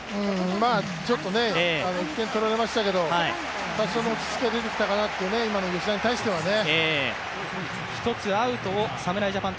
まあちょっとね、１点取られましたけど多少の落ち着きは出てきたかなと、今の吉田に対してはね。